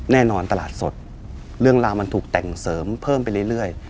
แน่นอนตลาดสดเรื่องราวมันถูกแต่งเสริมเพิ่มไปเรื่อย